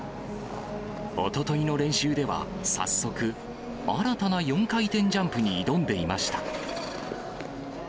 おとといの練習では、早速、新たな４回転ジャンプに挑んでいました。